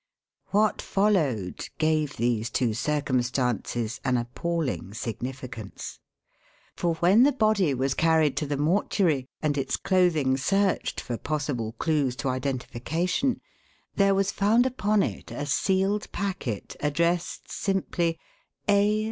What followed gave these two circumstances an appalling significance. For when the body was carried to the mortuary, and its clothing searched for possible clues to identification, there was found upon it a sealed packet addressed simply "A.